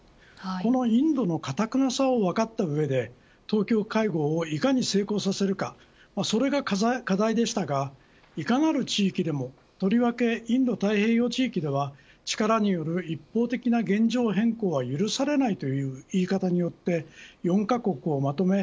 このインドのかたくなさを分かった上で東京会合をいかに成功させるかそれが課題でしたがいかなる地域でもとりわけインド太平洋地域では力による一方的な現状変更は許されないという言い方によって４カ国をまとめ